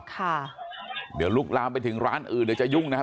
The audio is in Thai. ค่ะเดี๋ยวลุกลามไปถึงร้านอื่นเดี๋ยวจะยุ่งนะครับ